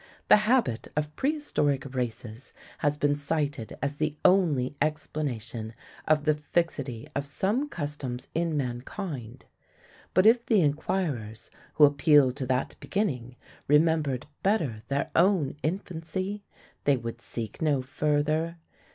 The habit of prehistoric races has been cited as the only explanation of the fixity of some customs in mankind. But if the enquirers who appeal to that beginning remembered better their own infancy, they would seek no further.